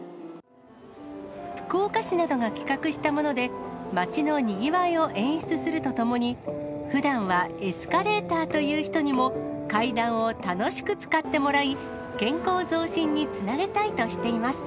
福岡市などが企画したもので、街のにぎわいを演出するとともに、ふだんはエスカレーターという人にも、階段を楽しく使ってもらい、健康増進につなげたいとしています。